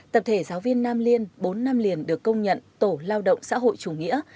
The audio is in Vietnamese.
tập thể giáo viên nam liên bốn nam liên được công nhận tổ lao động xã hội chủ nghĩa